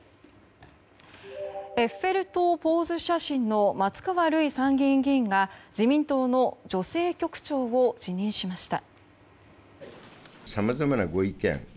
エッフェル塔ポーズ写真の松川るい参議院議員が自民党の女性局長を辞任しました。